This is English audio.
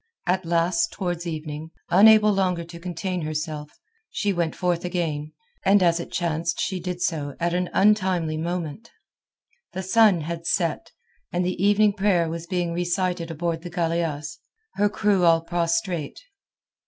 At last towards evening, unable longer to contain herself, she went forth again, and as it chanced she did so at an untimely moment. The sun had set, and the evening prayer was being recited aboard the galeasse, her crew all prostrate.